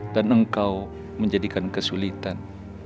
dan engkau menjadikan kesulitan